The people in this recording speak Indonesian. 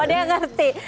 oh dia ngerti